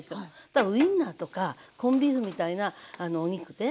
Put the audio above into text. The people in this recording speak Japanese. だからウインナーとかコンビーフみたいなあのお肉ね